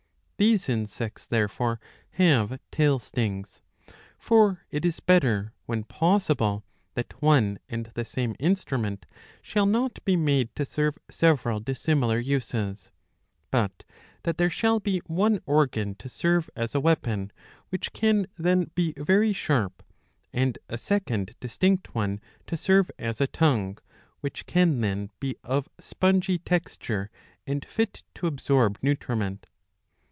These insects therefore have tail stings. For it is better, when possible, that one and the same instrument shall not be made to serve several dissimilar uses ; but that there shall be one organ to serve as a weapon, which can then be very sharp, and a second distinct one to serve as a tongue, which can then be of spongy texture and fit to absorb nutriment.